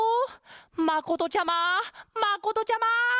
まことちゃままことちゃま！